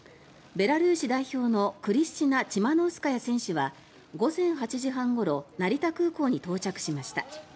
ベラルーシ代表のクリスチナ・チマノウスカヤ選手は午前８時半ごろ成田空港に到着しました。